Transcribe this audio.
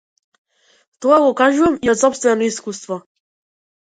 Тоа го кажувам и од сопствено искуство.